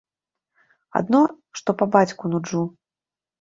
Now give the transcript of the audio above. Адно, што па бацьку нуджу.